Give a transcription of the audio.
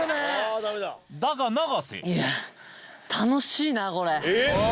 いや、楽しいな、これ。